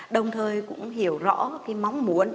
đồng thời cũng hiểu rõ mong muốn